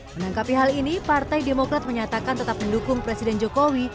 menanggapi hal ini partai demokrat menyatakan tetap mendukung presiden jokowi